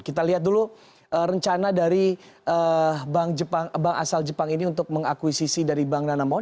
kita lihat dulu rencana dari bank asal jepang ini untuk mengakuisisi dari bank danamon